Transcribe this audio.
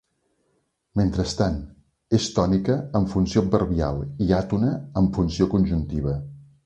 Mentrestant: és tònica amb funció adverbial i àtona amb funció conjuntiva.